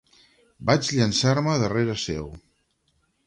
Vaig llançar-me darrere seu